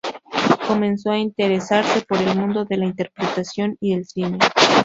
Comenzó a interesarse por el mundo de la interpretación y el cine.